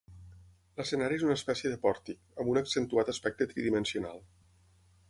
L'escenari és una espècie de pòrtic, amb un accentuat aspecte tridimensional.